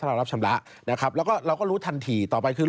เรารับชำระนะครับแล้วก็เราก็รู้ทันทีต่อไปคือ